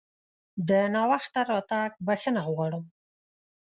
د ناوخته راتګ بښنه غواړم!